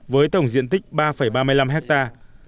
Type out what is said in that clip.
với tổng diện tích ba ba mươi năm hectare